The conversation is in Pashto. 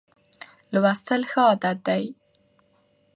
لوستل ښه عادت دی.